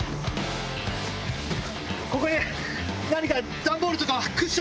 ここにダンボールとか。